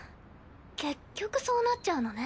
結局そうなっちゃうのね。